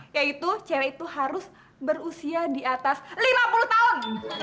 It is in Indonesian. yaitu cewek itu harus berusia di atas lima puluh tahun